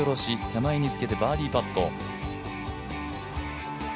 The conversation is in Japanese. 手前につけてバーディーパット。